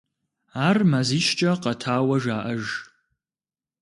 Ар мазищкӏэ къэтауэ жаӏэж.